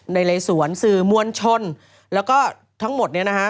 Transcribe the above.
ในเลสวนสื่อมวลชนแล้วก็ทั้งหมดเนี่ยนะฮะ